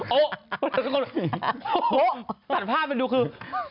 โอ๊ะตัดภาพไปดูคือ